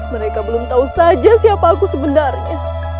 mereka belum tahu saja siapa aku sebenarnya